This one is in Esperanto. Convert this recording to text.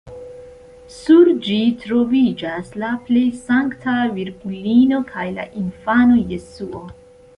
Sur ĝi troviĝas la plej Sankta Virgulino kaj la infano Jesuo.